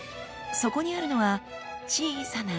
そこにあるのは小さな